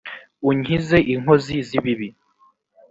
unkize inkozi z ibibi